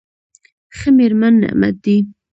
ښه مېرمن نعمت دی.